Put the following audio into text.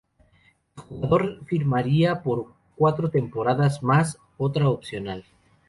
El jugador firmaría por cuatro temporadas más otra opcional.